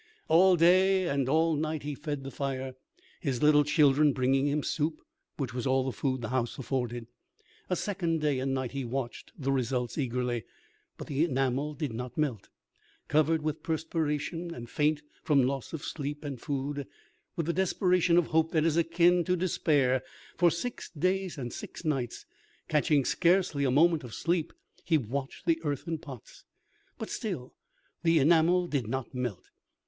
All day and all night, he fed the fire, his little children bringing him soup, which was all the food the house afforded. A second day and night he watched the results eagerly; but the enamel did not melt. Covered with perspiration, and faint from loss of sleep and food, with the desperation of hope that is akin to despair, for six days and six nights, catching scarcely a moment of sleep, he watched the earthen pots; but still the enamel did not melt.